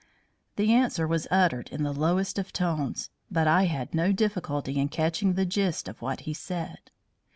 The answer was uttered in the lowest of low tones, but I had no difficulty in catching the gist of what he said.